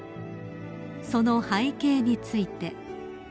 ［その背景について］